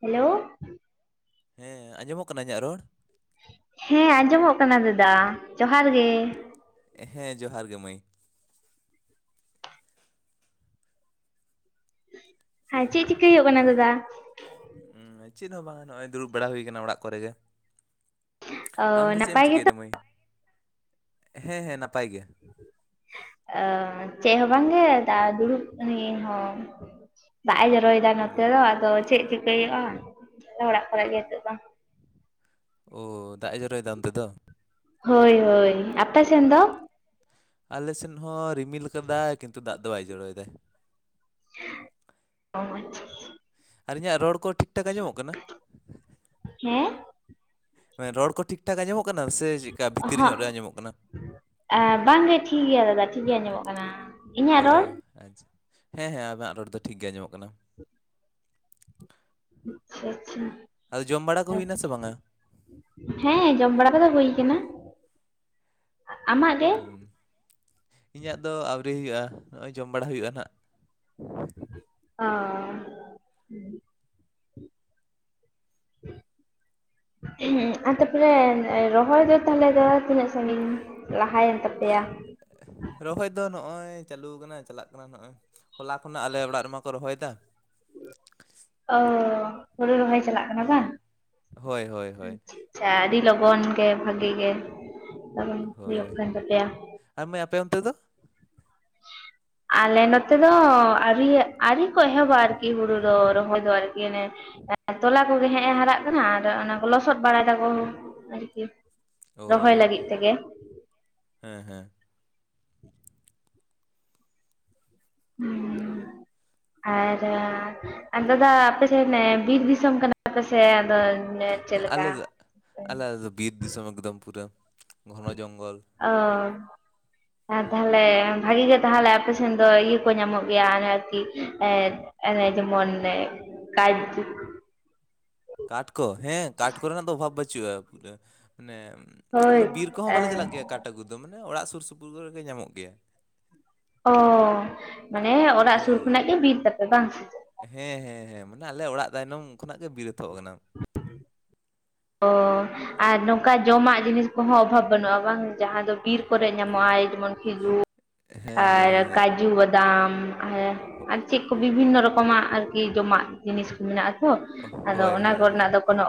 Hello ᱦᱮᱸ ᱟᱸᱡᱚᱢᱚᱜ ᱠᱟᱱᱟ ᱤᱧᱟᱹᱜ ᱨᱚᱲ ᱦᱮᱸ ᱟᱸᱡᱚᱢᱚᱜ ᱠᱟᱱᱟ ᱫᱟᱫᱟ ᱡᱚᱦᱟᱨ ᱜᱮ ᱦᱮᱸ ᱡᱚᱦᱟᱨ ᱜᱮ ᱢᱟᱹᱭ ᱦᱮᱸ ᱪᱮᱫ ᱪᱤᱠᱟᱹᱭ ᱦᱩᱭᱩᱜ ᱠᱟᱱᱟ ᱫᱟᱫᱟ ᱩᱸ, ᱪᱮᱫ ᱦᱚᱸ ᱵᱟᱝᱟ ᱱᱚᱜᱼᱚᱭ ᱫᱩᱲᱩᱵ ᱵᱟᱲᱟ ᱦᱩᱭ ᱟᱠᱟᱱᱟ ᱚᱲᱟᱜ ᱠᱚᱨᱮᱜ ᱜᱮ ᱾ ᱚ ᱟᱢ ᱫᱚ ᱪᱮᱫ ᱮᱢ ᱱᱟᱯᱟᱭ ᱜᱮᱛᱚ ᱪᱤᱠᱟᱹᱭᱮᱫᱟ ᱢᱟᱹᱭ? ᱦᱮᱸ ᱦᱮᱸ ᱱᱟᱯᱟᱭ ᱜᱮ ᱾ ᱚ ᱪᱮᱫ ᱦᱚᱸ ᱵᱟᱝ ᱜᱮ ᱫᱟ ᱫᱩᱲᱩᱵ ᱟᱠᱟᱱᱟᱹᱧ ᱤᱧ ᱦᱚᱸ ᱾ ᱫᱟᱜ ᱮ ᱡᱚᱨᱚᱭᱮᱫᱟ ᱚ ᱱᱚᱛᱮ ᱫᱚ ᱟᱫᱚ ᱪᱮᱫ ᱪᱤᱠᱟᱹᱭ ᱦᱩᱭᱩᱜᱼᱟ, ᱟᱞᱮ ᱚᱲᱟᱜ ᱠᱚᱨᱮ ᱜᱮ ᱱᱤᱛᱚᱜ ᱫᱚ ᱾ ᱚᱻ ᱫᱟᱜ ᱮ ᱡᱚᱨᱚᱭ ᱫᱟ ᱚᱱᱟᱛᱮ ᱫᱚ ᱾ ᱦᱳᱭ ᱦᱳᱭ, ᱟᱯᱮ ᱥᱮᱱ ᱫᱚ? ᱟᱞᱮ ᱥᱮᱫ ᱦᱚᱸ ᱨᱤᱢᱤᱞ ᱠᱟᱫᱟᱭ, ᱠᱤᱱᱛᱩ ᱫᱟᱜ ᱫᱚ ᱵᱟᱭ ᱡᱚᱨᱚᱭᱮᱫᱟᱭ ᱾ ᱚ ᱟᱪᱷᱟ [inaudible] ᱟᱨ ᱤᱧᱟᱹᱜ ᱨᱚᱲ ᱠᱚ ᱴᱷᱤᱠ ᱴᱷᱟᱠ ᱟᱸᱡᱚᱢᱚᱜ ᱠᱟᱱᱟ? ᱦᱮᱸ? ᱦᱮᱸ ᱨᱚᱲ ᱠᱚ ᱴᱷᱤᱠ ᱴᱷᱟᱠ ᱟᱸᱡᱚᱢᱚᱜ ᱠᱟᱱᱟ ᱥᱮ ᱪᱮᱫᱠᱟ ᱵᱷᱤᱛᱤᱨ ᱧᱚᱜ ᱨᱮ ᱟᱸᱡᱚᱢᱚᱜ ᱠᱟᱱᱟ? ᱟ ᱵᱟᱝ ᱜᱮ ᱴᱷᱤᱠ ᱜᱮᱭᱟ ᱫᱟᱫᱟ ᱴᱷᱤᱠ ᱜᱮ ᱟᱸᱡᱚᱢᱚᱜ ᱠᱟᱱᱟ ᱾ ᱚᱻ ᱟᱪᱷᱟ, ᱦᱮᱸ ᱦᱮᱸ ᱟᱢᱟᱜ ᱨᱚᱲ ᱫᱚ ᱴᱷᱤᱠ ᱜᱮ ᱟᱸᱡᱚᱢᱚᱜ ᱠᱟᱱᱟ ᱾ ᱟᱪᱪᱷᱟ ᱟᱫᱚ ᱡᱚᱢ ᱵᱟᱲᱟ ᱠᱚ ᱦᱩᱭᱱᱟ ᱥᱮ ᱟᱪᱪᱷᱟ ᱵᱟᱝᱟ? [inaudible] ᱦᱮᱸ ᱡᱚᱢ ᱵᱟᱲᱟ ᱠᱚᱫᱚ ᱦᱩᱭ ᱠᱟᱱᱟ ᱾ [inaudible] ᱤᱧᱟᱹᱜ ᱫᱚ ᱟᱹᱣᱨᱤ ᱦᱩᱭᱩᱜᱼᱟ, ᱱᱚᱜᱼᱚᱭ ᱡᱚᱢ ᱵᱟᱲᱟ ᱦᱩᱭᱩᱜᱼᱟ ᱱᱟᱸᱜ ᱾ ᱚᱦᱚ [inaudible] [inaudible] [inaudible] [inaudible] ᱟᱨ ᱛᱟᱯᱚᱨᱮ ᱨᱚᱦᱚᱭ ᱫᱚ ᱛᱟᱦᱚᱞᱮ ᱫᱚ ᱛᱤᱱᱟᱹᱜ ᱥᱟᱺᱜᱤᱧ ᱞᱟᱦᱟᱭᱮᱱ ᱛᱟᱯᱮᱭᱟ [unintelligible] ᱨᱚᱦᱚᱭ ᱫᱚ ᱱᱚᱜᱼᱚᱭ ᱪᱟᱹᱞᱩ ᱠᱟᱱᱟ ᱪᱟᱞᱟᱜ ᱠᱟᱱᱟ ᱱᱚᱜᱼᱚᱭ ᱾ ᱦᱚᱞᱟ ᱠᱷᱚᱱᱟᱜ ᱟᱞᱮ ᱚᱲᱟᱜ ᱨᱮᱢᱟᱠᱚ ᱨᱚᱦᱚᱭᱫᱟ ᱾ ᱚ, ᱦᱩᱲᱩ ᱨᱚᱦᱚᱭ ᱪᱟᱞᱟᱜ ᱠᱟᱱᱟ ᱦᱳᱭ ᱵᱟᱝ ᱦᱳᱭ ᱦᱳᱭ ᱦᱳᱭ ᱾ ᱟ ᱟᱹᱰᱤ ᱞᱚᱜᱚᱱ ᱜᱮ ᱵᱷᱟᱜᱤ ᱜᱮ ᱞᱚᱱ [inaudible] ᱦᱳᱭ ᱦᱩᱭᱩᱜ ᱠᱟᱱ ᱛᱟᱯᱮᱭᱟ ᱾ ᱟᱨ ᱢᱟᱹᱭ ᱟᱯᱮ ᱚᱱᱛᱮ ᱫᱚ? ᱟᱞᱮ ᱱᱚᱛᱮ ᱫᱚ ᱟᱹᱣᱨᱤ ᱟᱹᱣᱨᱤ ᱠᱚ ᱮᱦᱚᱵᱟ ᱟᱨᱠᱤ ᱦᱩᱲᱩ ᱫᱚ ᱨᱚᱦᱚᱭ ᱫᱚ ᱟᱨᱠᱤ ᱾ [inaudible] ᱛᱚᱞᱟ ᱠᱚᱜᱮ ᱦᱮᱸᱜᱼ ᱮ ᱦᱟᱨᱟᱜ ᱠᱟᱱᱟ ᱟᱫᱚ ᱚᱱᱟᱼᱼ ᱞᱚᱥᱚᱫ ᱵᱟᱲᱟᱭ ᱫᱟᱠᱚ, ᱟᱨᱠᱤ ᱚ ᱨᱚᱦᱚᱭ ᱞᱟᱹᱜᱤᱫ ᱛᱮᱜᱮ ᱾ ᱦᱮᱸ ᱦᱮᱸ [inaudible] ᱟᱨ ᱫᱟᱫᱟ, ᱟᱯᱮ ᱫᱚ ᱟᱯᱮ ᱥᱮᱱ ᱵᱤᱨ ᱫᱤᱥᱚᱢ ᱠᱟᱱᱟᱯᱮ ᱥᱮ ᱟᱫᱚᱼᱼ ᱦᱮᱸ ᱟᱞᱮ ᱫᱚ, ᱟᱞᱮ ᱵᱤᱨ ᱫᱤᱥᱚᱢ ᱮᱠᱫᱚᱢ ᱯᱩᱨᱟᱹ ᱜᱷᱚᱱᱚ ᱡᱚᱝᱜᱚᱞ ᱾ ᱚ ᱟᱨ ᱛᱟᱦᱞᱮ ᱵᱷᱟᱜᱤ ᱜᱮ ᱛᱟᱦᱞᱮ ᱟᱯᱮ ᱥᱮᱱ ᱫᱚ ᱤᱭᱟᱹ ᱠᱚ ᱧᱟᱢᱚᱜ ᱜᱮᱭᱟ ᱟᱨᱠᱤ ᱮᱼᱼ ᱮ ᱡᱮᱢᱚᱱ ᱠᱟ [inaudible] ᱠᱟᱴᱠᱚ ᱦᱮᱸ ᱠᱟᱴ ᱠᱚ ᱨᱮᱱᱟᱜ ᱫᱚ ᱚᱵᱷᱟᱵᱽ ᱵᱟᱹᱪᱩᱜᱼᱟ, ᱢᱟᱱᱮᱼᱼ ᱟᱞᱮ ᱫᱚ ᱦᱳᱭ ᱵᱤᱨ ᱠᱚᱦᱚᱸ ᱵᱟᱞᱮ ᱪᱟᱞᱟᱜ ᱜᱮᱭᱟ ᱠᱟᱴ ᱟᱹᱜᱩ ᱫᱚ ᱢᱟᱱᱮ ᱚᱲᱟᱜ ᱥᱩᱨ ᱥᱩᱯᱩᱨ ᱠᱚᱨᱮᱜᱮ ᱧᱟᱢᱚᱜ ᱜᱮᱭᱟ ᱾ ᱚᱻ, ᱢᱟᱱᱮ ᱚᱲᱟᱜ ᱥᱩᱨ ᱦᱳᱭ ᱠᱷᱚᱱᱟᱜ ᱜᱮ ᱵᱤᱨ ᱛᱟᱯᱮ ᱵᱟᱝ ᱾ ᱦᱮᱸ ᱦᱮᱸ ᱦᱮᱸ, ᱢᱟᱱᱮ ᱟᱞᱮ ᱚᱲᱟᱜ ᱛᱟᱭᱱᱚᱢ ᱠᱷᱚᱱᱟᱜ ᱜᱮ ᱵᱤᱨ ᱮᱛᱚᱦᱚᱵ ᱠᱟᱱᱟ ᱾ ᱚ ᱟᱨ ᱱᱚᱝᱠᱟ ᱡᱚᱢᱟᱜ ᱡᱤᱱᱤᱥ ᱠᱚᱦᱚᱸ ᱚᱵᱷᱟᱵᱽ ᱵᱟᱹᱱᱩᱜᱼᱟ ᱵᱟᱝ? ᱡᱟᱦᱟᱸ ᱫᱚ ᱵᱤᱨ ᱠᱚᱨᱮ ᱧᱟᱢᱚᱜ ᱟᱭ ᱡᱮᱢᱚᱱ ᱠᱷᱤᱡᱩᱼᱼ ᱦᱮᱸ ᱦᱮᱸ ᱟᱨ ᱦᱮᱸ ᱠᱟᱡᱩ ᱵᱟᱫᱟᱢ ᱟᱨ [inaudible] ᱟᱨ ᱪᱮᱫ ᱠᱚ ᱵᱤᱵᱷᱤᱱᱱᱚ ᱨᱚᱠᱚᱢᱟᱜ ᱟᱨᱠᱤ ᱡᱚᱢᱟᱜ ᱡᱤᱱᱤᱥ ᱠᱚ ᱢᱮᱱᱟᱜᱼᱟ ᱛᱚ? ᱟᱫᱚ ᱦᱳᱭ ᱚᱱᱟ ᱦᱳᱭ ᱦᱳᱭ ᱠᱚᱨᱮᱱᱟᱜ ᱫᱚ ᱠᱚᱱᱚᱼᱼ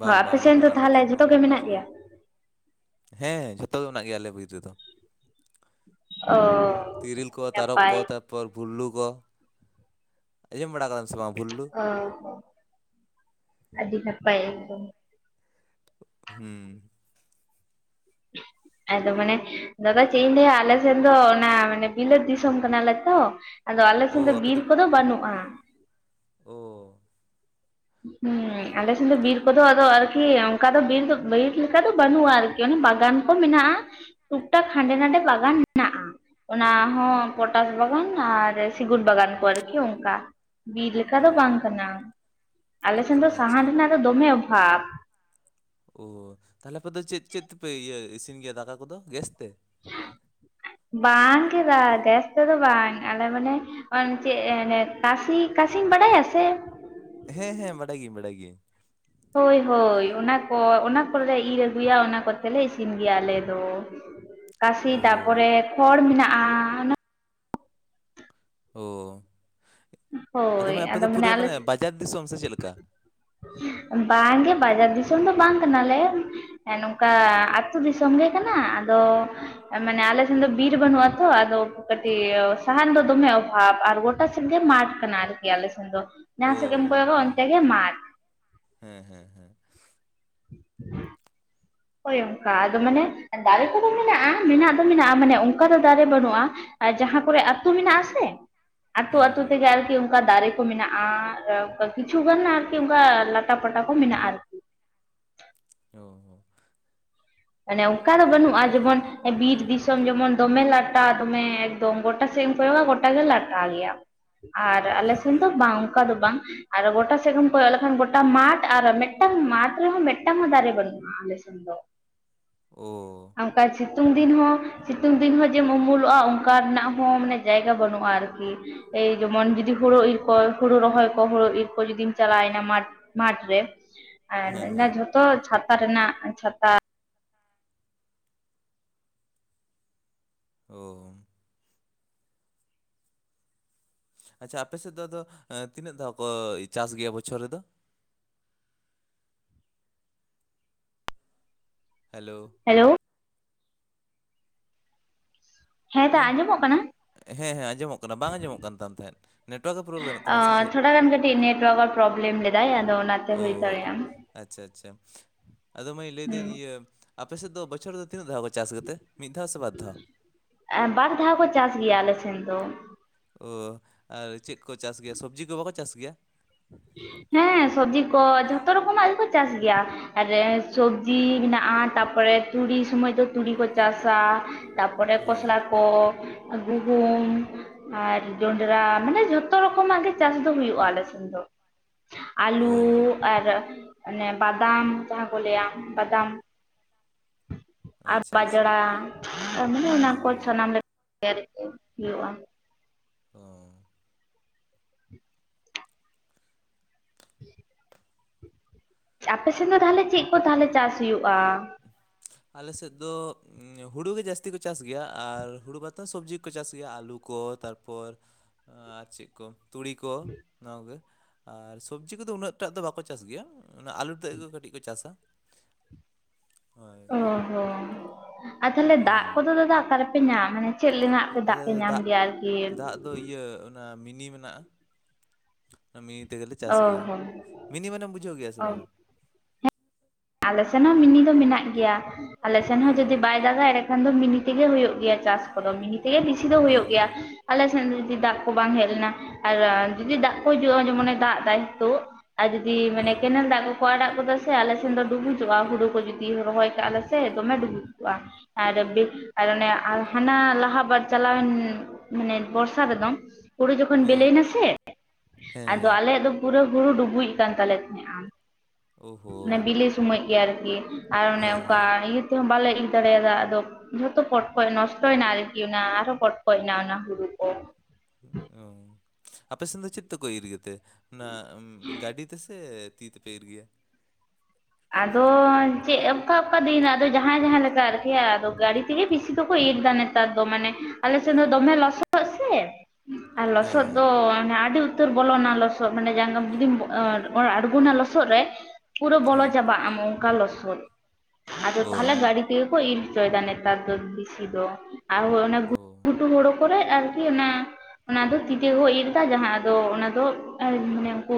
ᱵᱟᱝ ᱵᱟᱝ ᱚᱱᱟ ᱠᱚᱨᱮᱱᱟᱜ ᱫᱚ ᱛᱟᱦᱚᱞᱮ ᱪᱮᱫ ᱦᱚᱸ ᱡᱷᱚᱛᱚ ᱜᱮ ᱚᱵᱷᱟᱵᱽ ᱢᱮᱱᱟᱜ ᱵᱟᱹᱪᱩᱜᱼᱟ ᱜᱮᱭᱟ ᱾ ᱦᱮᱸ ᱡᱷᱚᱛᱚ ᱜᱮ ᱢᱮᱱᱟᱜ ᱜᱮᱭᱟ ᱟᱞᱮ ᱵᱤᱨ ᱨᱮᱫᱚ᱾ ᱚ ᱛᱤᱨᱤᱞ ᱠᱚ ᱟᱹᱰᱤ ᱛᱟᱨᱚᱯ ᱱᱟᱯᱟᱭ ᱠᱚ ᱛᱟ ᱯᱚᱨ ᱵᱷᱩᱞᱞᱩ ᱠᱚ ᱟᱸᱡᱚᱢ ᱵᱟᱲᱟ ᱠᱟᱫᱟ ᱵᱤᱱ ᱥᱮ ᱵᱟᱝ ᱵᱷᱩᱞᱞᱩ? ᱚᱸ ᱦᱮᱸ ᱟᱹᱰᱤ ᱱᱟᱯᱟᱭ ᱮᱠᱫᱚᱢ᱾ ᱦᱩᱸ᱾ ᱟᱫᱚ ᱢᱟᱱᱮ ᱫᱟᱫᱟ ᱪᱮᱜ ᱤᱧ ᱞᱟᱹᱭᱟ ᱟᱞᱮ ᱥᱮᱱ ᱫᱚ ᱚᱱᱟ ᱢᱟᱱᱮ ᱵᱤᱞᱟᱹᱛ ᱫᱤᱥᱚᱢ ᱠᱟᱱᱟᱞᱮ ᱛᱚ ᱟᱫᱚ ᱟᱞᱮ ᱳ ᱥᱮᱱ ᱫᱚ ᱟᱯᱮ ᱵᱤᱨ ᱠᱚᱫᱚ ᱵᱟᱹᱱᱩᱜᱼᱟ᱾ ᱳ᱾ ᱦᱩᱸ ᱟᱞᱮ ᱥᱮᱱ ᱫᱚ ᱵᱤᱨ ᱠᱚᱫᱚ ᱟᱫᱚ ᱟᱨᱠᱤ ᱚᱱᱠᱟ ᱫᱚ ᱵᱤᱨ ᱫᱚ ᱵᱤᱨ ᱞᱮᱠᱟ ᱫᱚ ᱵᱟᱹᱱᱩᱜᱼᱟ ᱟᱨᱠᱤ, ᱚᱱᱮ ᱵᱟᱜᱟᱱ ᱠᱚ ᱢᱤᱱᱟᱜᱼᱟ᱾ ᱴᱩᱠᱴᱟᱠ ᱦᱟᱸᱰᱮ ᱱᱟᱸᱰᱮ ᱵᱟᱜᱟᱱ ᱢᱤᱱᱟᱜᱼᱟ᱾ ᱚᱱᱟ ᱦᱚᱸ ᱯᱚᱴᱟᱥ ᱵᱟᱜᱟᱱ ᱟᱨ ᱥᱤᱜᱩᱱ ᱵᱟᱜᱟᱱ ᱠᱚ ᱟᱨᱠᱤ ᱚᱝᱠᱟ᱾ ᱵᱤᱨ ᱞᱮᱠᱟ ᱳ ᱫᱚ ᱵᱟᱝ ᱠᱟᱱᱟ, ᱟᱞᱮ ᱥᱮᱱ ᱫᱚ ᱟᱪᱪᱷᱟ ᱥᱟᱦᱟᱱ ᱨᱮᱱᱟᱜ ᱫᱚ ᱫᱚᱢᱮ ᱚᱵᱷᱟᱵ᱾ ᱳ ᱛᱟᱦᱞᱮ ᱟᱯᱮ ᱫᱚ ᱪᱤᱫ ᱪᱤᱫ ᱛᱮᱯᱮ ᱤᱭᱟᱹ ᱤᱥᱤᱱ ᱜᱮᱭᱟ ᱫᱟᱠᱟ ᱠᱚᱫᱚ ᱜᱮᱥ ᱛᱮ? ᱵᱟᱝ ᱜᱮᱫᱟ ᱜᱮᱥ ᱛᱮᱫᱚ ᱵᱟᱝ ᱟᱞᱮ ᱢᱟᱱᱮ ᱚᱱ ᱪᱮᱜ ᱮᱸ ᱠᱟᱥᱤ ᱠᱟᱥᱤᱢ ᱵᱟᱰᱟᱭᱟ ᱥᱮ ᱦᱮᱸ ᱦᱮᱸ ᱵᱟᱰᱟᱭ ᱜᱮ ᱵᱟᱰᱟᱭ ᱜᱮᱤᱭᱟᱹᱧ᱾ ᱦᱳᱭ ᱦᱳᱭ, ᱚᱱᱟ ᱠᱚ ᱚᱱᱟ ᱠᱚᱞᱮ ᱤᱨ ᱟᱜᱩᱭᱟ ᱚᱱᱟ ᱠᱚᱛᱮᱞᱮ ᱤᱥᱤᱱ ᱜᱮᱭᱟ ᱟᱞᱮ ᱫᱚ᱾ [unintelligible] ᱠᱟᱥᱤ ᱛᱟᱯᱚᱨᱮ ᱠᱷᱚᱲ ᱢᱤᱱᱟᱜᱼᱟ᱾ ᱚ ᱟᱫᱚ ᱢᱟ ᱟᱯᱮ ᱫᱚ ᱯᱩᱨᱟᱹ ᱢᱟᱱᱮ ᱵᱟᱡᱟᱨ ᱫᱤᱥᱚᱢ ᱥᱮ ᱪᱮᱫ ᱞᱮᱠᱟ? ᱵᱟᱝᱜᱮ ᱵᱟᱡᱟᱨ ᱫᱤᱥᱚᱢ ᱫᱚ ᱵᱟᱝ ᱠᱟᱱᱟᱞᱮ᱾ ᱦᱮᱸ ᱱᱚᱝᱠᱟ ᱟᱹᱛᱩ ᱫᱤᱥᱚᱢ ᱜᱮ ᱠᱟᱱᱟ, ᱟᱫᱚ ᱢᱟᱱᱮ ᱟᱞᱮ ᱥᱮᱱ ᱫᱚ ᱵᱤᱨ ᱵᱟᱹᱱᱩᱜᱼᱟ ᱛᱚ ᱟᱫᱚ ᱠᱟᱹᱴᱤᱡ ᱥᱟᱦᱟᱱ ᱫᱚ ᱫᱚᱢᱮ ᱚᱵᱷᱟᱵ ᱟᱨ ᱜᱚᱴᱟ ᱥᱮᱱ ᱢᱟᱴ ᱠᱟᱱᱟ ᱟᱨᱠᱤ ᱟᱞᱮ ᱥᱮᱱ ᱫᱚ ᱳ ᱡᱟᱦᱟᱸ ᱥᱮᱱ ᱜᱮᱢ ᱠᱚᱭᱚᱜᱟ ᱦᱮᱸ ᱚᱱᱛᱮ ᱜᱮ ᱢᱟᱴ᱾ ᱦᱮᱸ ᱦᱮᱸ ᱦᱮᱸ᱾ ᱦᱮᱸ [unintelligible] ᱦᱳᱭ ᱚᱝᱠᱟ, ᱟᱫᱚ ᱢᱟᱱᱮ ᱫᱟᱨᱮ ᱠᱚᱫᱚ ᱢᱤᱱᱟᱜᱼᱟ ᱢᱤᱱᱟᱜ ᱫᱚ ᱢᱤᱱᱟᱜᱼᱟ ᱢᱟᱱᱮ ᱚᱝᱠᱟ ᱫᱚ ᱫᱟᱨᱮ ᱵᱟᱹᱱᱩᱜᱼᱟ᱾ ᱟᱨ ᱡᱟᱦᱟᱸ ᱠᱚᱨᱮ ᱟᱹᱛᱩ ᱢᱤᱱᱟᱜ ᱟᱥᱮ ᱟᱹᱛᱩ ᱦᱩᱸ ᱟᱹᱛᱩ ᱦᱩᱸ ᱛᱮᱜᱮ ᱟᱨᱠᱤ ᱩᱱ ᱠᱟ ᱫᱟᱨᱮ ᱠᱚ ᱢᱤᱱᱟᱜᱼᱟ ᱠᱤᱪᱷᱩᱜᱟᱱ ᱟᱨᱠᱤ ᱚᱝᱠᱟ ᱞᱟᱴᱟ ᱯᱟᱴᱟ ᱠᱚ ᱢᱤᱱᱟᱜᱼᱟ ᱟᱨᱠᱤ᱾ ᱚ ᱦᱚ᱾ ᱚᱱᱮ ᱚᱝᱠᱟ ᱫᱚ ᱵᱟᱹᱱᱩᱜᱼᱟ ᱡᱮᱢᱚᱱ ᱵᱤᱨ ᱫᱤᱥᱚᱢ ᱡᱮᱢᱚᱱ ᱫᱚᱢᱮ ᱞᱟᱴᱟ ᱫᱚᱢᱮ ᱜᱚᱴᱟ ᱥᱮᱜ ᱮᱢ ᱠᱚᱭᱚᱜᱟ ᱜᱚᱴᱟᱜᱮ ᱞᱟᱴᱟ ᱜᱤᱭᱟ, ᱟᱨ ᱟᱞᱮ ᱦᱮᱸ ᱥᱮᱱ ᱦᱮᱸ ᱫᱚ ᱵᱟᱝ ᱚᱝᱠᱟ ᱫᱚ ᱵᱟᱝ ᱟᱨ ᱜᱚᱴᱟ ᱥᱮᱜ ᱮᱢ ᱠᱚᱭᱚᱜ ᱞᱮᱠᱷᱟᱱ ᱜᱚᱴᱟ ᱢᱟᱴᱷ ᱟᱨ ᱢᱮᱫᱴᱟᱝ ᱢᱟᱴᱷ ᱨᱮᱦᱚᱸ ᱢᱮᱫᱴᱟᱝ ᱦᱚᱸ ᱫᱟᱨᱮ ᱵᱟᱹᱱᱩᱜ ᱟᱞᱮ ᱥᱮᱱ ᱫᱚ᱾ ᱳ᱾ ᱚᱝᱠᱟᱭ ᱥᱤᱛᱩᱝ ᱫᱤᱱ ᱦᱚᱸ ᱥᱤᱛᱩᱝ ᱫᱤᱱ ᱦᱚᱸ ᱡᱮᱢᱩᱢᱩᱞᱚᱜᱼᱟ ᱚᱱᱠᱟ ᱨᱮᱱᱟᱜ ᱦᱚᱸ ᱢᱟᱱᱮ ᱡᱟᱭᱜᱟ ᱵᱟᱹᱱᱩᱜᱼᱟ ᱟᱨᱠᱤ᱾ ᱮᱭ ᱡᱮᱢᱚᱱ ᱡᱩᱫᱤ ᱦᱳᱲᱳ ᱤᱨᱠᱚ ᱦᱳᱲᱳ ᱨᱚᱦᱚᱭ ᱠᱚ ᱦᱳᱲᱳ ᱤᱨ ᱠᱚ ᱡᱩᱫᱤᱢ ᱪᱟᱞᱟᱭᱮᱱᱟ ᱢᱟᱴᱷ ᱢᱟᱴᱷ ᱨᱮ ᱦᱮᱸ ᱟᱨ ᱦᱮᱸ ᱡᱷᱚᱛᱚ ᱪᱷᱟᱛᱟ ᱨᱮᱱᱟᱜ ᱪᱷᱟᱛᱟ ᱳᱢ᱾ ᱟᱪᱪᱷᱟ ᱟᱯᱮ ᱥᱮᱫ ᱫᱚ ᱟᱫᱚ ᱮᱸ ᱛᱤᱱᱟᱹᱜ ᱫᱷᱟᱣ ᱠᱚ ᱪᱟᱥ ᱜᱮᱭᱟ ᱵᱚᱪᱷᱚᱨ ᱨᱮᱫᱚ? ᱦᱮᱞᱳ᱾ ᱦᱮᱞᱳ᱾ ᱫᱟ ᱦᱮᱸ ᱟᱸᱡᱚᱢᱚᱜ ᱠᱟᱱᱟ ᱦᱮᱸ ᱟᱸᱡᱚᱢᱚᱜ ᱠᱟᱱᱟ ᱵᱟᱝ ᱟᱸᱡᱚᱢᱚᱜ ᱠᱟᱱ ᱛᱟᱢ ᱛᱟᱦᱮᱸᱫ, ᱱᱮᱴᱣᱟᱨᱠᱮ ᱯᱨᱳᱵᱽᱞᱮᱢᱮᱫ ᱛᱟᱢᱟ ᱥᱮ ᱟᱸ ᱪᱮᱫ? ᱛᱷᱚᱲᱟ ᱜᱟᱱ ᱠᱟᱹᱴᱤᱡ ᱱᱮᱴᱣᱟᱨᱠ ᱯᱨᱚᱵᱽᱞᱮᱢ ᱞᱮᱫᱟᱭ ᱟᱫᱚ ᱚᱱᱟᱛᱮ ᱚ ᱦᱩᱭ ᱫᱟᱲᱮᱭᱟᱜᱼᱟ ᱟᱪᱪᱷᱟ ᱟᱪᱪᱷᱟ ᱟᱫᱚ ᱢᱟᱹᱭ ᱞᱟᱹᱭᱫᱟᱹᱧ ᱤᱭᱟᱹ ᱟᱯᱮᱥᱮᱫ ᱫᱚ ᱵᱚᱪᱷᱚᱨ ᱨᱮᱫᱚ ᱛᱤᱱᱟᱹᱜ ᱫᱷᱟᱣ ᱪᱟᱥ ᱠᱟᱛᱮ ᱢᱤᱫ ᱫᱷᱟᱣ ᱥᱮ ᱵᱟᱨ ᱫᱷᱟᱣ? ᱵᱟᱨ ᱫᱷᱟᱣ ᱠᱚ ᱪᱟᱥ ᱜᱮᱭᱟ ᱟᱞᱮ ᱥᱮᱱ ᱫᱚ ᱚ ᱟᱨ ᱪᱮᱫ ᱠᱚ ᱪᱟᱥ ᱜᱮᱭᱟ ᱥᱚᱵᱽᱡᱤ ᱠᱚ ᱵᱟᱠᱚ ᱪᱟᱥ ᱜᱮᱭᱟ‌? ᱦᱮᱸ ᱥᱚᱵᱽᱡᱤ ᱠᱚ ᱡᱚᱛᱚ ᱨᱚᱠᱚᱢᱟᱜ ᱜᱮᱠᱚ ᱪᱟᱥ ᱜᱮᱭᱟ ᱟᱨ ᱥᱚᱵᱽᱡᱤ ᱢᱮᱱᱟᱜᱼᱟ ᱛᱟᱨᱯᱚᱨᱮ ᱛᱩᱲᱤ ᱥᱚᱢᱚᱭ ᱫᱚ ᱛᱩᱲᱤ ᱠᱚ ᱪᱟᱥᱼᱟ ᱛᱟᱯᱚᱨᱮ ᱠᱷᱚᱥᱞᱟ ᱦᱮᱸ ᱠᱚ ᱜᱩᱦᱩᱢ ᱟᱨ ᱡᱚᱱᱰᱨᱟ ᱢᱟᱱᱮ ᱡᱚᱛᱚ ᱨᱚᱠᱚᱢᱟᱜ ᱜᱮ ᱪᱟᱥ ᱫᱚ ᱦᱩᱭᱩᱜᱼᱟ ᱟᱞᱮᱥᱮᱱ ᱫᱚ ᱚ ᱟᱞᱩ ᱟᱨ ᱚᱱᱮ ᱵᱟᱫᱟᱢ ᱡᱟᱦᱟᱸ ᱠᱚ ᱞᱟᱹᱭᱟ ᱵᱟᱫᱟᱢ ᱟᱨ ᱟᱪᱪᱷᱟ ᱟᱪᱪᱷᱟ ᱵᱟᱡᱽᱲᱟ ᱛᱟᱨᱢᱟᱱᱮ ᱦᱮᱸ ᱚᱱᱟᱠᱚ ᱦᱮᱸ ᱥᱟᱱᱟᱢ ᱞᱮᱠᱟ ᱦᱩᱭᱩᱜᱼᱟ ᱚ [inaudible] ᱟᱯᱮᱥᱮᱫ ᱫᱚ ᱛᱟᱦᱚᱞᱮ ᱪᱮᱫ ᱠᱚ ᱛᱟᱦᱚᱞᱮ ᱪᱟᱥ ᱦᱩᱭᱩᱜᱼᱟ? ᱟᱞᱮ ᱥᱮᱫ ᱫᱚ ᱦᱩᱲᱩ ᱜᱮ ᱡᱟᱹᱥᱛᱤ ᱠᱚ ᱪᱟᱥ ᱜᱮᱭᱟ ᱟᱨ ᱦᱩᱲᱩ ᱵᱟᱛᱚ ᱥᱚᱵᱽᱡᱤᱠᱚ ᱪᱟᱥ ᱜᱮᱭᱟ ᱟᱹᱞᱩ ᱠᱚ ᱛᱟᱨᱯᱚᱨ ᱟᱨ ᱪᱮᱫ ᱠᱚ ᱛᱩᱲᱤ ᱠᱚ ᱱᱚᱣᱟ ᱠᱚᱜᱮ ᱟᱨ ᱥᱚᱵᱽᱡᱤ ᱠᱚᱫᱚ ᱩᱱᱟᱹᱜ ᱴᱟᱜ ᱫᱚ ᱵᱟᱠᱚ ᱪᱟᱥ ᱜᱮᱭᱟ ᱚᱱᱟ ᱟᱹᱞᱩ ᱛᱮᱜ ᱫᱚ ᱠᱟᱹᱴᱤᱡ ᱠᱚ ᱪᱟᱥᱟ ᱦᱳᱭ ᱚ ᱦᱚᱸ ᱟᱨ ᱛᱟᱦᱚᱞᱮ ᱫᱟᱜ ᱦᱩᱸ ᱠᱚᱫᱚ ᱫᱟᱫᱟ ᱚᱠᱟ ᱨᱮᱯᱮ ᱧᱟᱢ ᱢᱟᱱᱮ ᱪᱮᱫ ᱨᱮᱱᱟᱜ ᱫᱟᱜ ᱯᱮ ᱧᱟᱢ ᱜᱮᱭᱟ ᱟᱨᱠᱤ ᱟᱫᱚ ᱤᱭᱟᱹ ᱚᱱᱟ ᱢᱤᱱᱤ ᱢᱮᱱᱟᱜᱼᱟ ᱢᱤᱱᱤ ᱛᱮᱜᱮᱞᱮ ᱪᱟᱥ ᱚ ᱜᱮᱭᱟ ᱦᱚᱸ ᱢᱤᱱᱤ ᱢᱟᱱᱮᱢ ᱵᱩᱡᱷᱟᱹᱣ ᱜᱮᱭᱟ ᱥᱮ ᱚ ᱵᱟᱝᱟ? ᱟᱞᱮ ᱥᱮᱱ ᱦᱚᱸ ᱢᱤᱱᱤ ᱫᱚ ᱢᱮᱱᱟᱜ ᱜᱮᱭᱟ ᱟᱞᱮ ᱥᱮᱱ ᱳ ᱦᱚᱸ ᱡᱩᱫᱤ ᱵᱟᱭ ᱵᱟᱭ ᱫᱟᱜᱟᱭ ᱮᱸᱰᱮᱠᱷᱟᱱ ᱫᱚ ᱢᱤᱱᱤ ᱛᱮᱜᱮ ᱦᱩᱭᱩᱜ ᱜᱮᱭᱟ ᱪᱟᱥ ᱠᱚᱫᱚ ᱢᱤᱱᱤ ᱛᱮᱜᱮ ᱵᱮᱥᱤ ᱫᱚ ᱦᱩᱭᱩᱜ ᱦᱳᱭ ᱜᱮᱭᱟ ᱦᱳᱭ ᱟᱞᱮ ᱥᱮᱫ ᱡᱩᱫᱤ ᱫᱟᱜ ᱠᱚ ᱵᱟᱝ ᱦᱮᱡ ᱞᱮᱱᱟ ᱟᱨ ᱡᱩᱫᱤ ᱫᱟᱜ ᱠᱚ ᱦᱤᱡᱩᱜᱼᱟ ᱡᱮᱢᱚᱱᱮ ᱫᱟᱜ ᱮᱫᱟᱭ ᱛᱚ ᱟᱨ ᱡᱩᱫᱤ ᱢᱟᱱᱮ ᱦᱩᱸ ᱦᱩᱸ ᱠᱮᱱᱮᱞ ᱫᱟᱜ ᱠᱚᱠᱚ ᱟᱲᱟᱜ ᱠᱚᱫᱚ ᱥᱮ ᱟᱞᱮ ᱥᱮᱱ ᱫᱚ ᱰᱩᱵᱩᱡᱚᱜᱼᱟ ᱦᱩᱲᱩ ᱠᱚ ᱡᱩᱫᱤ ᱨᱚᱦᱚᱭ ᱠᱟᱜᱼᱟᱞᱮ ᱥᱮ ᱫᱚᱢᱮ ᱰᱩᱵᱩᱡ ᱠᱚᱜᱼᱟ ᱟᱨ ᱟᱨ ᱚᱱᱮ ᱦᱟᱱᱟ ᱞᱟᱦᱟ ᱵᱟᱨ ᱪᱟᱞᱟᱣᱮᱱ ᱢᱟᱱᱮ ᱵᱚᱨᱥᱟ ᱨᱮᱫᱚ ᱦᱩᱲᱩ ᱡᱚᱠᱷᱚᱱ ᱦᱮᱸ ᱵᱤᱞᱤᱭᱮᱱᱟᱥᱮ ᱦᱮᱸ ᱟᱫᱚ ᱦᱮᱸ ᱟᱞᱮᱭᱟᱜ ᱫᱚ ᱯᱩᱨᱟᱹ ᱦᱩᱲᱩ ᱰᱩᱵᱩᱡ ᱟᱠᱟᱱ ᱛᱟᱞᱮ ᱛᱟᱦᱮᱸᱼᱟ ᱳᱦᱳ ᱢᱟᱱᱮ ᱵᱤᱞᱤ ᱥᱚᱢᱚᱭ ᱜᱮ ᱟᱨᱠᱤ ᱟᱨ ᱚᱱᱮ ᱦᱮᱸ ᱚᱱᱠᱟ ᱦᱮᱸ ᱤᱭᱟᱹ ᱛᱮᱦᱚᱸ ᱵᱟᱞᱮ ᱤᱭᱟᱹ ᱫᱟᱲᱮᱭᱟᱫᱟᱜ ᱟᱫᱚ ᱡᱚᱛᱚ ᱯᱚᱴᱠᱚᱡ ᱱᱚᱥᱴᱚᱭᱮᱱᱟ ᱟᱨᱠᱤ ᱚᱱᱟ ᱟᱨᱦᱚᱸ ᱯᱚᱴᱠᱚᱡᱱᱟ ᱚᱱᱟ ᱦᱩᱲᱩ ᱠᱚ ᱚ ᱟᱯᱮ ᱥᱮᱱ ᱫᱚ ᱪᱮᱫ ᱛᱮᱠᱚ ᱤᱨ ᱜᱮᱛᱮ ᱚᱱᱟ ᱜᱟᱹᱰᱤ ᱛᱮᱥᱮ ᱛᱤ ᱛᱮᱯᱮ ᱤᱨ ᱜᱮᱭᱟ? ᱟᱫᱚ ᱪᱮᱫ ᱚᱱᱠᱟ ᱚᱠᱟ ᱫᱤᱱ ᱟᱫᱚ ᱡᱟᱦᱟᱸᱭ ᱡᱟᱦᱟᱸ ᱞᱮᱠᱟ ᱟᱨᱠᱤ ᱟᱫᱚ ᱜᱟᱹᱰᱤ ᱛᱮᱜᱮ ᱵᱤᱥᱤ ᱫᱚᱠᱚ ᱤᱨ ᱮᱫᱟ ᱱᱤᱛᱚᱜ ᱱᱮᱛᱟᱨ ᱫᱚ ᱢᱟᱱᱮ ᱟᱞᱮ ᱥᱮᱱ ᱫᱚ ᱫᱚᱢᱮ ᱞᱚᱥᱚᱫ ᱥᱮ ᱟᱨ ᱦᱮᱸ ᱞᱚᱥᱚᱫ ᱦᱮᱸ ᱫᱚ ᱢᱟᱱᱮ ᱟᱹᱰᱤ ᱩᱛᱼ ᱩᱛᱟᱹᱨ ᱵᱚᱞᱚᱱᱟ ᱞᱚᱥᱚᱫ ᱢᱟᱱᱮ ᱡᱩᱫᱤᱢ ᱟᱬᱜᱚᱱᱟ ᱞᱚᱥᱚᱫ ᱨᱮ ᱯᱩᱨᱟᱹ ᱵᱚᱞᱚ ᱦᱮᱸ ᱟᱢ ᱚᱱᱠᱟ ᱞᱚᱥᱚᱫ ᱟᱫᱚ ᱛᱟᱦᱚᱞᱮ ᱚ ᱜᱤ ᱛᱮᱜᱮ ᱠᱚ ᱤᱨ ᱦᱚᱪᱚᱭᱮᱫᱟ ᱱᱮᱛᱟᱨ ᱫᱚ ᱵᱮᱥᱤ ᱫᱚ ᱟᱨ ᱚᱱᱮ ᱚ ᱜᱷᱩᱴᱩ ᱦᱚᱲᱩ ᱠᱚ ᱠᱚᱨᱮ ᱟᱨᱠᱤ ᱚᱱᱟ ᱚᱱᱟ ᱫᱚ ᱛᱤ ᱛᱮ ᱜᱮ ᱠᱚ ᱤᱨ ᱮᱫᱟ ᱡᱟᱦᱟᱸ ᱟᱫᱚ ᱚᱱᱟ ᱫᱚ ᱢᱟᱱᱮ ᱩᱱᱠᱩ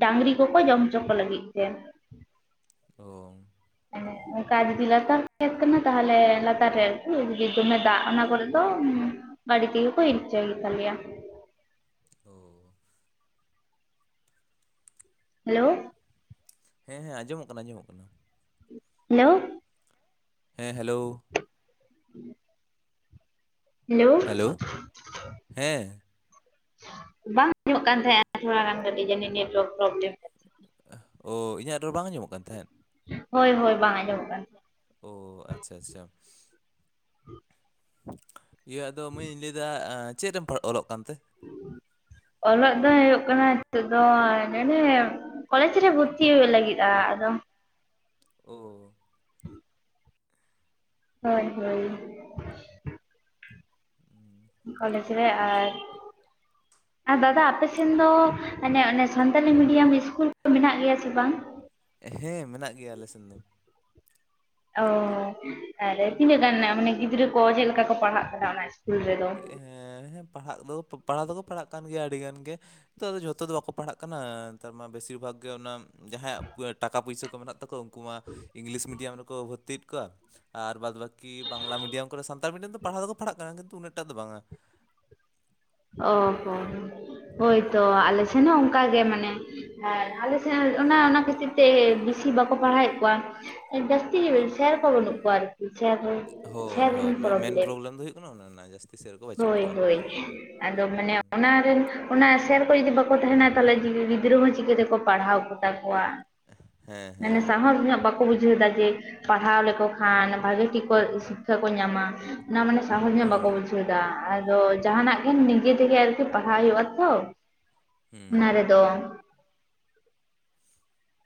ᱰᱟᱹᱝᱨᱤ ᱠᱚᱠᱚ ᱡᱚᱢ ᱦᱚᱪᱚ ᱠᱚ ᱞᱟᱹᱜᱤᱫ ᱛᱮ ᱚ ᱚᱱᱠᱟ ᱡᱩᱫᱤ ᱞᱟᱛᱟᱨ ᱠᱷᱮᱛ ᱠᱟᱱᱟ ᱛᱟᱦᱞᱮ ᱞᱟᱛᱟᱨ ᱨᱮ ᱟᱨᱠᱤ ᱡᱮ ᱫᱚᱢᱮ ᱫᱟᱜ ᱚᱱᱟ ᱠᱚᱨᱮ ᱫᱚ ᱟᱹᱰᱤ ᱛᱮᱜᱮ ᱠᱚ ᱤᱨᱪᱷᱟᱹ ᱜᱮᱛᱟᱞᱮᱭᱟ ᱳᱻ ᱦᱮᱞᱳᱣ᱾ ᱦᱮᱸ ᱦᱮᱸ ᱟᱸᱡᱚᱢᱚᱜ ᱠᱟᱱᱟ ᱟᱸᱡᱚᱢᱚᱜ ᱠᱟᱱᱟ᱾ ᱦᱮᱞᱳᱣ᱾ ᱦᱮᱸ ᱦᱮᱞᱳᱣ᱾ [inaudible] ᱦᱮᱞᱳᱣ᱾ ᱦᱮᱞᱳᱣ ᱦᱮᱸ᱾ ᱵᱟᱝ ᱟᱡᱚᱢᱚᱜ ᱠᱟᱱ ᱛᱟᱦᱮᱸᱼᱟ ᱛᱷᱚᱲᱟ ᱜᱟᱱ ᱠᱟᱹᱴᱤᱡ ᱡᱟᱱᱤᱡ ᱱᱮᱴᱣᱟᱨᱠ ᱯᱨᱵᱮᱞᱮᱢᱼᱼ ᱚᱸ ᱤᱧᱟᱹᱜ ᱨᱚᱲ ᱵᱟᱝ ᱟᱡᱚᱢᱚᱜ ᱠᱟᱱ ᱛᱟᱦᱮᱸᱫ? ᱦᱳᱭ ᱦᱳᱭ ᱵᱟᱝ ᱟᱸᱡᱚᱢᱚᱜ ᱠᱟᱱ ᱛᱟᱷᱮᱱᱼᱼ ᱳ ᱟᱪᱷᱟ ᱟᱪᱷᱟ᱾ ᱤᱭᱟᱹ ᱟᱫᱚ ᱢᱟᱹᱭ ᱞᱟᱹᱭ ᱫᱟ ᱪᱮᱫ ᱨᱮᱢ ᱚᱞᱚᱜ ᱠᱟᱱᱛᱮ? ᱚᱞᱚᱜ ᱫᱚ ᱦᱩᱭᱩᱜ ᱠᱟᱱᱟ ᱱᱤᱛᱚᱜ ᱫᱚ ᱱᱚᱱᱰᱮᱼᱼ ᱠᱚᱞᱮᱡ ᱨᱮ ᱵᱷᱩᱨᱛᱤ ᱦᱩᱭᱩᱜ ᱞᱟᱹᱜᱤᱫ ᱟᱸ ᱟᱫᱚᱼᱼ ᱚᱸ᱾ [inaudible] ᱦᱳᱭ ᱦᱳᱭ᱾ ᱦᱩᱸ᱾ ᱠᱚᱞᱮᱡ ᱨᱮ ᱟᱨ ᱫᱟᱫᱟ ᱟᱯᱮ ᱥᱮᱱ ᱫᱚ ᱢᱟᱱᱮ ᱚᱱᱮᱼᱼ ᱥᱟᱱᱛᱟᱞᱤ ᱢᱤᱰᱤᱭᱟᱢ ᱤᱥᱠᱩᱞ ᱠᱚ ᱢᱮᱱᱟᱜ ᱜᱮᱭᱟ ᱥᱮ ᱵᱟᱝ? ᱦᱮᱸ ᱢᱮᱱᱟᱜ ᱜᱮᱭᱟ ᱟᱞᱮ ᱥᱮᱱ ᱫᱚ᱾ ᱚᱸ ᱟᱨ ᱛᱤᱱᱟᱹᱜ ᱜᱟᱱ ᱢᱟᱱᱮ ᱜᱤᱫᱽᱨᱟᱹ ᱠᱚ ᱪᱮᱫ ᱞᱮᱠᱟ ᱠᱚ ᱯᱟᱲᱦᱟᱜ ᱠᱟᱱᱟ ᱚᱱᱟ ᱤᱥᱠᱩᱞ ᱨᱮᱫᱚ? ᱦᱮᱸ ᱯᱟᱲᱦᱟᱜ ᱫᱚ ᱯᱟᱲᱦᱟᱜ ᱫᱚᱠᱚ ᱯᱟᱲᱦᱟᱜ ᱠᱟᱱ ᱜᱮᱭᱟ ᱟᱹᱰᱤ ᱜᱟᱱ ᱜᱮ, ᱱᱤᱛᱚᱜ ᱫᱚ ᱡᱚᱛᱚ ᱫᱚ ᱵᱟᱠᱚ ᱯᱟᱲᱦᱟᱜ ᱠᱟᱱᱟ ᱱᱮᱛᱟᱨ ᱢᱟ ᱵᱮᱥᱤᱨ ᱵᱷᱟᱜ ᱜᱮ ᱚᱱᱟ᱾ ᱡᱟᱦᱟᱸᱭᱟᱜ ᱴᱟᱠᱟ ᱯᱩᱭᱥᱟᱹ ᱠᱚ ᱢᱮᱱᱟᱜ ᱛᱟᱠᱚᱣᱟ ᱩᱱᱠᱩ ᱢᱟ ᱤᱝᱞᱤᱥ ᱢᱤᱰᱤᱭᱟᱢ ᱨᱮᱠᱚ ᱵᱷᱚᱨᱛᱤᱭᱮᱫ ᱠᱚᱣᱟ᱾ ᱟᱨ ᱵᱟᱫ ᱵᱟᱹᱠᱤ ᱵᱟᱝᱞᱟ ᱢᱤᱰᱤᱭᱟᱢ ᱠᱚᱨᱮ ᱥᱟᱱᱛᱟᱲ ᱢᱤᱰᱤᱭᱟᱢ ᱫᱚ ᱯᱟᱲᱦᱟᱣ ᱫᱚᱠᱚ ᱯᱟᱲᱦᱟᱜ ᱠᱟᱱᱟ ᱠᱤᱱᱛᱩ ᱩᱱᱟᱹᱜᱴᱟ ᱫᱚ ᱵᱟᱝᱼᱟ, ᱚᱸ ᱦᱚᱸ ᱦᱳᱭ ᱛᱚ ᱟᱞᱮᱥᱮᱱ ᱦᱚᱸ ᱚᱱᱠᱟᱜᱮ ᱢᱟᱱᱮᱼᱼ ᱟᱨ ᱟᱞᱮ ᱥᱮᱫ ᱚᱱᱟ ᱚᱱᱟ ᱠᱷᱟᱹᱛᱤᱨ ᱛᱮ ᱵᱮᱥᱤ ᱵᱟᱠᱚ ᱯᱟᱲᱦᱟᱣᱮᱫ ᱠᱚᱣᱟ᱾ ᱡᱟᱹᱥᱛᱤ ᱜᱮ ᱥᱮᱨ ᱠᱚ ᱵᱟᱹᱱᱩᱜ ᱠᱚᱣᱟ ᱦᱳᱭ ᱟᱨᱼᱼ ᱦᱳᱭ [unintelligible] ᱢᱮ- ᱢᱮᱱ ᱯᱨᱚᱵᱞᱮᱢ ᱫᱚ ᱦᱩᱭᱩᱜ ᱠᱟᱱᱟ ᱚᱱᱮ ᱚᱱᱟ ᱨᱮᱱᱟᱜ, ᱡᱟᱹᱥᱛᱤ ᱥᱮᱫ ᱨᱮᱠᱚ ᱵᱟᱹᱪᱩᱜ ᱦᱳᱭ ᱠᱚᱣᱟ ᱦᱳᱭ᱾ ᱟᱫᱚ ᱢᱟᱱᱮ ᱚᱱᱟ ᱨᱮᱱ ᱚᱱᱟ ᱥᱮᱨ ᱠᱚ ᱡᱩᱫᱤ ᱵᱟᱠᱚ ᱛᱟᱦᱮᱱᱟ ᱛᱟᱦᱚᱞᱮ ᱜᱤᱫᱽᱨᱟᱹ ᱦᱚᱸ ᱪᱤᱠᱟᱹ ᱛᱮᱠᱚ ᱯᱟᱲᱦᱟᱣ᱾ ᱛᱟᱠᱚᱭᱟ ᱦᱮᱸ ᱢᱟᱱᱮ ᱦᱮᱸ ᱥᱟᱦᱚᱥ ᱧᱚᱜ ᱵᱟᱠᱚᱼᱼ ᱵᱟᱠᱚ ᱵᱩᱡ ᱞᱮᱫᱟ ᱡᱮ ᱯᱟᱲᱦᱟᱣ ᱞᱮᱠᱚ ᱠᱷᱟᱱ ᱵᱷᱟᱜᱤ ᱴᱷᱤᱠ ᱠᱚ ᱥᱤᱠᱷᱟ ᱠᱚ ᱧᱟᱢᱟ᱾ ᱚᱱᱟ ᱢᱟᱱᱮ ᱥᱟᱦᱚᱥ ᱧᱚᱜ ᱵᱟᱠᱚ ᱦᱳᱭ ᱵᱩᱡᱷᱟᱹᱣ ᱫᱟ ᱟᱫᱚ ᱡᱟᱦᱟᱱᱟᱜ᱾ ᱱᱤᱡᱮ ᱛᱮᱜᱮ ᱟᱨᱠᱤ ᱯᱟᱲᱦᱟᱣ ᱦᱩᱭᱩᱜᱼᱟ ᱛᱚ ᱚᱱᱟ ᱦᱩᱸ ᱨᱮᱫᱚ᱾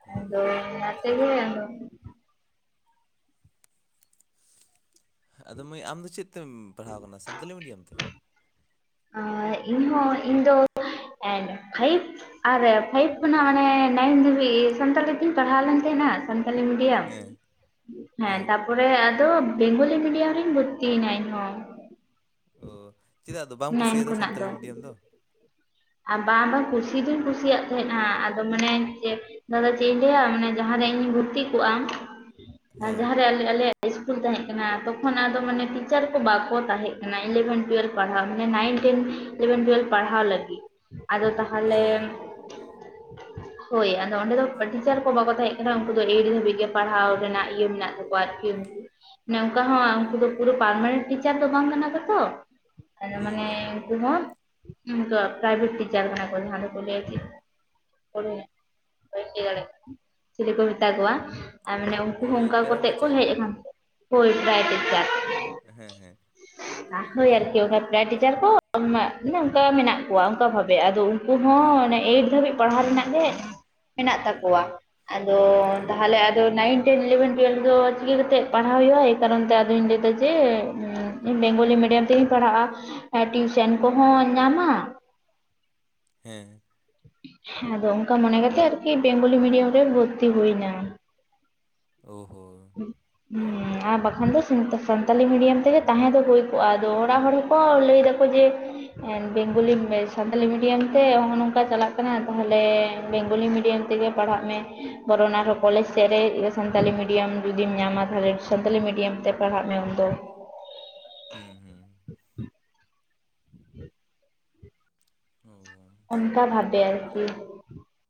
ᱦᱩᱸ ᱟᱫᱚ ᱦᱩᱸ ᱚᱱᱟᱛᱮᱜᱮ ᱟᱫᱚᱼᱼ ᱟᱫᱚ ᱢᱟᱹᱭ ᱟᱢᱫᱚ ᱪᱮᱫ ᱛᱮᱢ ᱯᱟᱲᱦᱟᱣ ᱠᱟᱱᱟ ᱥᱟᱱᱛᱟᱞᱤ ᱢᱤᱰᱤᱭᱟᱢ ᱛᱮ? ᱤᱧᱦᱚᱸ ᱤᱧ ᱫᱚ ᱯᱷᱟᱭᱤᱵ᱾ ᱟᱨ ᱯᱷᱟᱭᱤᱵ ᱠᱷᱚᱱᱟᱜ ᱢᱟᱱᱮ ᱱᱟᱭᱤᱱ ᱫᱷᱟᱹᱵᱤᱡ ᱥᱟᱱᱛᱟᱞᱤ ᱛᱤᱧ ᱯᱟᱲᱦᱟᱣ ᱞᱮᱱ ᱛᱟᱦᱮᱸᱱᱟ ᱥᱟᱱᱛᱟᱞᱤ ᱢᱤᱼᱼ ᱦᱮᱸ ᱦᱮᱸ ᱛᱟᱯᱚᱨᱮ ᱟᱫᱚ ᱵᱮᱝᱜᱚᱞᱤ ᱢᱤᱰᱤᱭᱟᱢ ᱨᱮᱧ ᱵᱷᱚᱨᱛᱤᱭᱮᱱᱟ ᱤᱧᱦᱚ᱾ ᱚᱸ ᱪᱮᱫᱟᱜ ᱟᱫᱚ ᱵᱟᱢ ᱱᱟᱭᱤᱱ ᱠᱩᱥᱤᱭᱟᱫᱟ ᱠᱷᱚᱱᱟᱜ ᱥᱟᱱᱛᱟᱞᱤ ᱢᱤᱰᱤᱭᱟᱢ ᱫᱚ? ᱟᱨ ᱵᱟᱝ ᱫᱟ ᱵᱟᱝ ᱠᱩᱥᱤ ᱫᱩᱧ ᱠᱩᱥᱤᱭᱟᱜ ᱛᱟᱦᱮᱸᱱᱟ ᱟᱫᱚ ᱢᱟᱱᱮ ᱡᱮᱼᱼ ᱫᱟᱫᱟ ᱪᱮᱫ ᱤᱧ ᱞᱟᱹᱭᱟ ᱢᱟᱱᱮ ᱡᱟᱦᱟᱸᱨᱮ ᱤᱧᱤᱧ ᱵᱷᱩᱨᱛᱤ ᱠᱚᱜᱼᱟ ᱟᱨ ᱦᱮᱸ ᱡᱟᱦᱟ᱾ [unintelligible] ᱤᱥᱠᱩᱞ ᱛᱟᱦᱮᱸ ᱠᱟᱱᱟ ᱛᱚᱠᱷᱚᱱ ᱟᱫᱚ ᱢᱟᱱᱮ ᱴᱤᱪᱟᱨ ᱠᱚ ᱵᱟᱠᱚ ᱛᱟᱦᱮᱸ ᱠᱟᱱᱟ ᱤᱞᱮᱵᱷᱮᱱ ᱴᱩᱭᱮᱞᱵᱷ᱾ ᱯᱟᱲᱦᱟᱜ ᱢᱮ ᱱᱟᱭᱤᱱ ᱴᱮᱱ ᱤᱞᱮᱵᱷᱮᱱ ᱴᱩᱭᱮᱞᱵᱷ ᱯᱟᱲᱦᱟᱣ ᱞᱟᱹᱜᱤᱫ ᱟᱫᱚ ᱛᱟᱦᱚᱞᱮ᱾ ᱚ [inaudible] ᱦᱳᱭ ᱟᱫᱚ ᱚᱸᱰᱮ ᱫᱚ ᱴᱤᱪᱟᱨ ᱠᱚ ᱵᱟᱠᱚ ᱛᱟᱦᱮᱸ ᱠᱟᱱᱟ ᱩᱱᱠᱩ ᱫᱚ ᱮᱭᱮᱴ ᱫᱷᱟᱹᱵᱤᱡ ᱜᱮ ᱯᱟᱲᱦᱟᱣ ᱨᱮᱱᱟᱜ ᱤᱭᱟᱹ ᱢᱮᱱᱟᱜ ᱛᱟᱠᱚᱣᱟ᱾ ᱚᱱᱠᱟ ᱦᱚᱸ ᱩᱱᱠᱩ ᱫᱚ ᱯᱩᱨᱟᱹ ᱯᱟᱨᱢᱟᱱᱮᱴ ᱴᱤᱪᱟᱨ ᱫᱚ ᱵᱟᱝ ᱠᱟᱱᱟ ᱠᱚᱛᱚ᱾ ᱦᱩᱸ ᱢᱟᱱᱮ ᱦᱩᱸ ᱩᱱᱠᱩ ᱦᱚᱸ ᱯᱨᱟᱭᱵᱷᱮᱴ ᱴᱤᱪᱟᱨ ᱠᱟᱱᱟ ᱠᱚ ᱡᱟᱦᱟᱸ ᱫᱚ ᱞᱟᱹᱭ ᱵᱟᱭ ᱞᱟᱹᱭ ᱫᱟᱲᱮ ᱪᱮᱞᱮ ᱠᱚ ᱢᱮᱛᱟ ᱠᱚᱣᱟ ᱟᱨ ᱢᱟᱱᱮ ᱩᱱᱠᱩ ᱦᱚᱸ ᱚᱱᱠᱟ ᱯᱮᱨᱟ ᱠᱟᱛᱮᱜ ᱠᱚ ᱴᱤᱪᱟᱨ ᱦᱮᱡ ᱦᱳᱭ ᱯᱨᱟᱭ ᱴᱪᱟᱨ ᱦᱮᱸ ᱦᱮᱸ ᱦᱳᱭ ᱟᱨᱠᱤ ᱯᱨᱟᱭ ᱴᱤᱪᱟᱨ ᱠᱚ ᱢᱟᱱᱮ ᱚᱱᱠᱟ ᱢᱮᱱᱟᱜ ᱠᱚᱣᱟ ᱚᱱᱠᱟ ᱵᱷᱟᱵᱮᱫᱚ ᱩᱱᱠᱩ ᱦᱩᱸ ᱦᱚᱸ ᱚᱱᱮ ᱦᱩᱸ ᱮᱭᱤᱴ ᱫᱷᱟᱹᱵᱤᱡ ᱯᱟᱲᱦᱟᱣ ᱨᱮᱱᱟᱜ ᱜᱮ ᱢᱮᱱᱟᱜ ᱛᱟᱠᱚᱣᱟ ᱟᱫᱚ ᱛᱟᱦᱚᱞᱮ ᱱᱟᱭᱤᱱ ᱴᱮᱱ ᱤᱞᱮᱵᱷᱮᱱ ᱴᱩᱭᱮᱞᱵᱷ ᱫᱚ ᱪᱤᱠᱟᱹ ᱠᱟᱛᱮᱫ ᱯᱟᱲᱦᱟᱣ ᱦᱩᱭᱩᱜᱼᱟ ᱮᱭ ᱠᱟᱨᱚᱱ ᱛᱮ ᱟᱫᱚᱧ ᱞᱟᱹᱭ ᱡᱮ ᱵᱮᱝᱜᱚᱞᱤ ᱢᱤᱰᱤᱭᱟᱢ ᱛᱮᱧ ᱯᱟᱲᱦᱟᱜᱼᱟ ᱴᱤᱭᱩᱥᱮᱱ ᱠᱚᱦᱚᱧ ᱧᱟᱢ-ᱟ᱾ ᱦᱮᱸ ᱦᱮᱸ ᱟᱫᱚ ᱚᱱᱠᱟ ᱢᱚᱱᱮ ᱠᱟᱛᱮᱜ ᱟᱨᱠᱤ ᱵᱮᱝᱜᱚᱞᱤ ᱢᱤᱰᱤᱭᱟᱢ ᱨᱮ ᱵᱷᱚᱨᱛᱤ ᱦᱩᱭᱱᱟ ᱳᱦᱚ ᱦᱩᱸ ᱦᱮ ᱟᱨ ᱵᱟᱠᱷᱟᱱ ᱫᱚ ᱥᱟᱱᱛᱟᱞᱤ ᱢᱤᱰᱤᱭᱟᱢ ᱛᱮᱜᱮ ᱛᱟᱦᱮᱸ ᱫᱚ ᱦᱩᱭ ᱠᱚᱜᱼᱟ ᱟᱫᱚ ᱚᱲᱟᱜ ᱦᱚᱲ ᱦᱚᱸᱠᱚ ᱞᱟᱹᱭ ᱫᱟᱠᱚ ᱡᱮ ᱵᱮᱝᱜᱚᱞᱤ ᱥᱟᱱᱛᱟᱞᱤ ᱢᱤᱰᱤᱭᱟᱢ ᱛᱮ ᱱᱚᱜᱚᱭ ᱱᱚᱝᱠᱟ ᱪᱟᱞᱟᱜ ᱠᱟᱱᱟ ᱠᱟᱱᱟ ᱛᱟᱦᱚᱞᱮ ᱵᱮᱝᱜᱚᱞᱤ ᱢᱤᱰᱤᱭᱟᱢ ᱛᱮᱜᱮ ᱯᱟᱲᱦᱟᱜ ᱢᱮ ᱵᱚᱨᱚᱱ ᱟᱨᱦᱚᱸ ᱠᱚᱞᱮᱡᱽ ᱥᱮᱫ ᱨᱮ ᱥᱟᱱᱛᱟᱞᱤ ᱢᱤᱰᱤᱭᱟᱢ ᱡᱩᱫᱤᱢ ᱧᱟᱢᱟ ᱛᱟᱦᱚᱞᱮ ᱥᱟᱱᱛᱟᱞᱤ ᱢᱤᱰᱤᱭᱟᱢ ᱛᱮ ᱯᱟᱲᱦᱟᱜ ᱢᱮ ᱩᱱ ᱫᱚ ᱦᱩᱸ ᱦᱩᱸ [unintelligible] ᱛ ᱚᱱᱠᱟ ᱵᱷᱟᱵᱮ ᱟᱨᱠᱤ